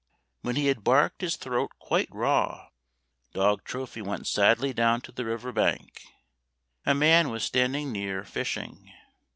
When he had barked his throat quite raw, dog Trophy went sadly down to the river bank. A man was standing near, fishing.